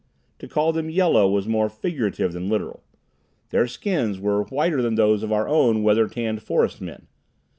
To call them yellow was more figurative than literal. Their skins were whiter than those of our own weather tanned forest men.